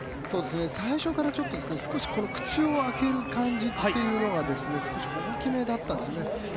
最初から少し口を開ける感じっていうのが少し大きめだったんですよね。